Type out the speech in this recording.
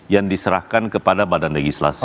yang diserahkan kepada badan legislasi